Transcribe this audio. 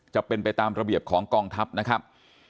จะเป็นไปตามระเบียบของกองทัพนะครับ